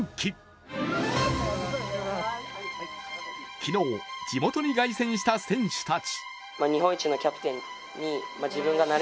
昨日、地元に凱旋した選手たち。